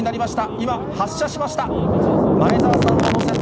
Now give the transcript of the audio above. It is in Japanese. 今、発射しました。